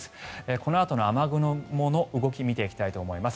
このあとの雨雲の動きを見ていきたいと思います。